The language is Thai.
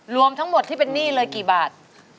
รวมทั้งหมดที่เป็นหนี้เลยกี่บาท